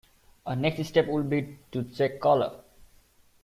A next step would be to check color.